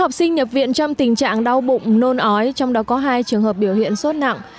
một mươi chín học sinh nhập viện trong tình trạng đau bụng nôn ói trong đó có hai trường hợp biểu hiện sốt nặng